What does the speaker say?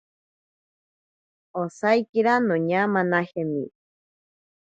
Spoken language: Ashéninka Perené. Osaikira noñamanajemi.